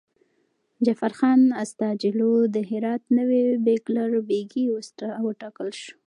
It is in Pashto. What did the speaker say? جعفرخان استاجلو د هرات نوی بیګلربيګي وټاکل شو.